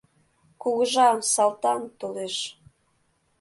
Кугыжа, Салтан, толеш!